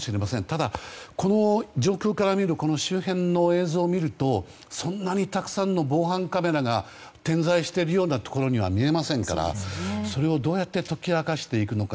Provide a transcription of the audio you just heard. ただ、この状況周辺の映像を見るとそんなにたくさんの防犯カメラが点在しているようなところには見えませんからそれをどうやって解き明かしていくのか。